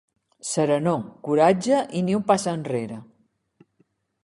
Serenor, coratge i ni un pas enrere.